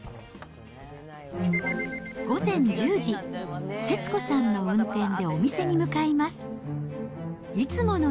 午前１０時、節子さんの運転でお店に向かいます。